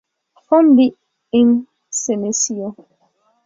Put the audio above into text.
Formerly in "Senecio"